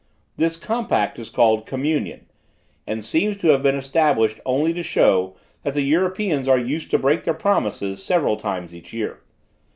This compact is called 'communion,' and seems to have been established only to show that the Europeans are used to break their promises several times each year.